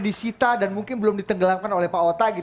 disita dan mungkin belum ditenggelamkan oleh pak ota